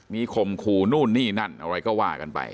มีข่มขู่นู่นนี่นั่นอะไรก็ว่ากันไป